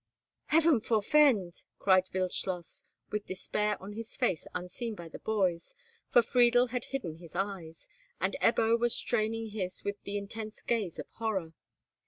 "Heaven forefend!" cried Wildschloss, with despair on his face unseen by the boys, for Friedel had hidden his eyes, and Ebbo was straining his with the intense gaze of horror.